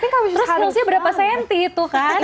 terus heelsnya berapa senti itu kan